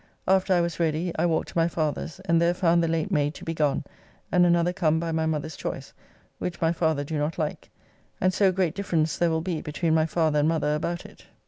After I was ready I walked to my father's and there found the late maid to be gone and another come by my mother's choice, which my father do not like, and so great difference there will be between my father and mother about it.